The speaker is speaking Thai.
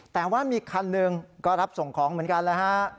แต่ว่ามีคันหนึ่งก็รับส่งของเหมือนกันนะฮะ